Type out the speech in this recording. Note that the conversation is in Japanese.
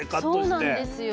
そうなんですよ。